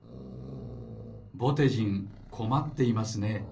ぼてじんこまっていますね。